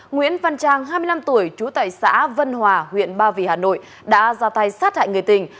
nguyễn văn trang hai mươi năm tuổi trú tại xã vân hòa huyện ba vì hà nội đã ra tay sát hại người tình